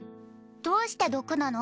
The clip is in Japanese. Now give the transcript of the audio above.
どうして毒なの？